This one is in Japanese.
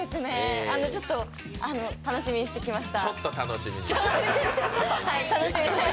ちょっとあの楽しみにしてきました。